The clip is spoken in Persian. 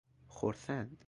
خورسند